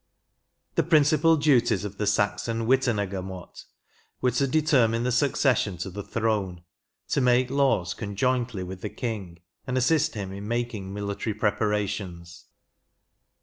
The principal duties of the Saxon Witena gemot were, to determine the succession to the throne, to make laws conjointly with the king, and assist him in making military preparations.